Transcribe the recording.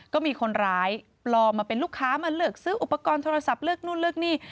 ก็มีคนร้ายปลอมมาเป็นลูกค้ามาเลือกซื้ออุปกรณ์โทรศัพท์เลือกนู่นเลือกนี่